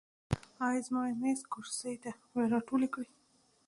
او زما میز، کرسۍ ته به ئې راټولې کړې ـ